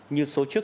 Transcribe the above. như số trước